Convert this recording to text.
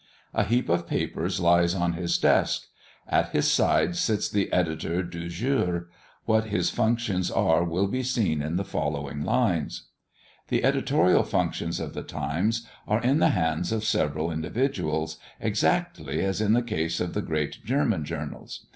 A heap of papers lies on his desk. At his side sits the editor du jour. What his functions are will be seen in the following lines: The editorial functions of the Times are in the hands of several individuals, exactly as in the case of the great German journals.